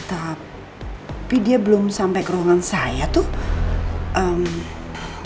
tapi dia belum sampai ke ruangan saya tuh